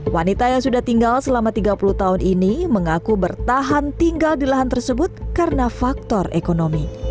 wanita yang sudah tinggal selama tiga puluh tahun ini mengaku bertahan tinggal di lahan tersebut karena faktor ekonomi